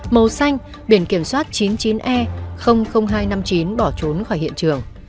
màu xanh biển kiểm soát chín mươi chín e hai trăm năm mươi chín bỏ trốn khỏi hiện trường